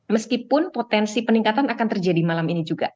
meskipun potensi peningkatan akan terjadi malam ini juga